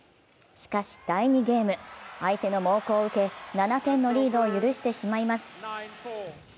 しかし、第２ゲーム相手の猛攻を受け７点のリードを許してしまいます。